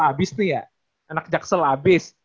abis nih ya anak jaksel abis